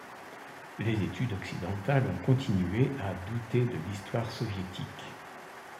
Les études occidentales ont continué à douter de l'histoire soviétique.